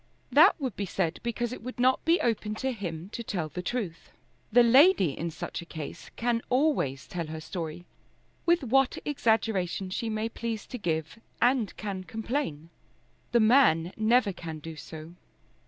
That would be said because it would not be open to him to tell the truth. The lady in such a case can always tell her story, with what exaggeration she may please to give, and can complain. The man never can do so.